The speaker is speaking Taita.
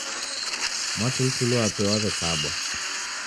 Mwatulituli w'ape w'aw'ekabwa